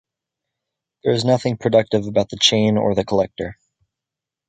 There is nothing productive about the chain or the collector.